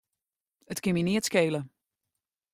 It kin my neat skele.